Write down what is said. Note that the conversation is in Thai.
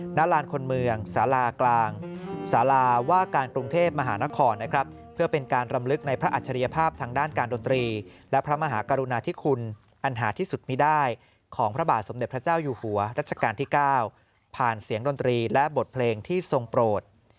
ลานคนเมืองสารากลางสาราว่าการกรุงเทพมหานครนะครับเพื่อเป็นการรำลึกในพระอัจฉริยภาพทางด้านการดนตรีและพระมหากรุณาธิคุณอันหาที่สุดมีได้ของพระบาทสมเด็จพระเจ้าอยู่หัวรัชกาลที่๙ผ่านเสียงดนตรีและบทเพลงที่ทรงโปรด